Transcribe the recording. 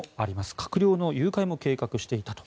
閣僚の誘拐も計画していたと。